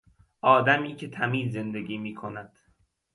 آدمی که تمیز زندگی میکند